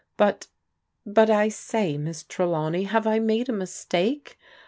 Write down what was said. But — but — I say, Miss Trelawney, have I made a mistake?